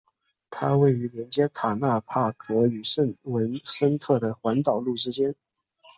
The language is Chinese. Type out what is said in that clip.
它位于连接塔纳帕格和圣文森特的环岛路之间。